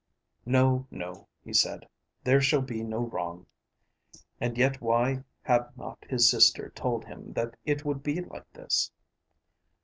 "No, no," he said. "There shall be no wrong." And yet why had not his sister told him that it would be like this?